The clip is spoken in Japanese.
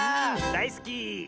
だいすき！